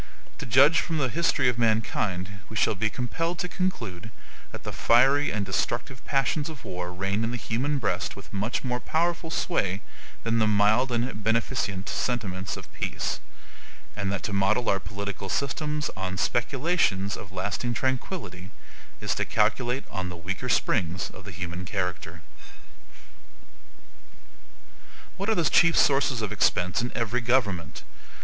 To judge from the history of mankind, we shall be compelled to conclude that the fiery and destructive passions of war reign in the human breast with much more powerful sway than the mild and beneficent sentiments of peace; and that to model our political systems upon speculations of lasting tranquillity, is to calculate on the weaker springs of the human character. What are the chief sources of expense in every government?